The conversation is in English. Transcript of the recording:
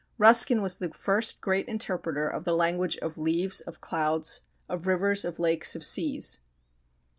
Ruskin was the first great interpreter of the language of leaves, of clouds, of rivers, of lakes, of seas.